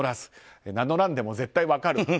名乗らんでも絶対分かる。